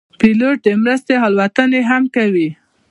پیلوټ د مرستو الوتنې هم کوي.